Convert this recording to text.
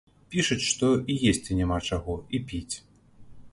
Пішуць, што і есці няма чаго, і піць.